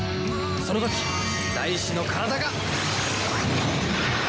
その時大志の体が！